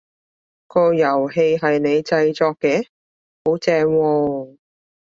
個遊戲係你製作嘅？好正喎！